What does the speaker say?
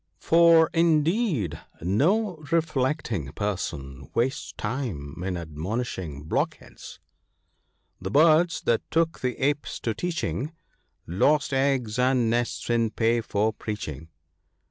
" WAR. 89 For, indeed, no reflecting person wastes time in admo nishing blockheads —" The birds that took the apes to teaching, Lost eggs and nests in pay for preaching."